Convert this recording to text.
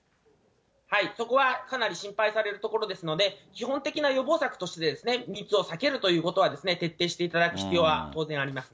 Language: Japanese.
そこはかなり心配されるところですので、基本的な予防策として、密を避けるということは徹底していただく必要は当然ありますね。